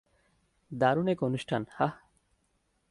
দারুণ এক অনুষ্ঠান, হাহ?